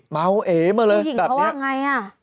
เมาเอมาเลยแบบนี้ผู้หญิงเขาว่าอย่างไรน่ะ